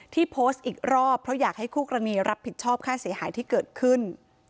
ที่โพสต์อีกรอบเพราะอยากให้คู่กรณีรับผิดชอบค่าเสียหายที่เกิดขึ้น